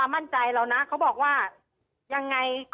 ตอนที่จะไปอยู่โรงเรียนนี้แปลว่าเรียนจบมไหนคะ